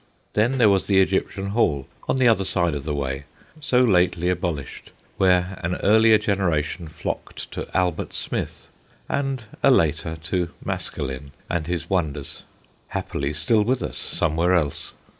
Then there was the Egyptian Hall on the other side of the way, so lately abolished, where an earlier generation flocked to Albert Smith, and a later to Maskelyne and his wonders happily still with us somewhere else.